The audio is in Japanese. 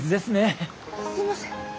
すいません。